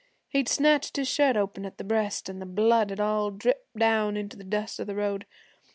He'd snatched his shirt open at the breast, an' the blood had all dripped down into the dust of the road.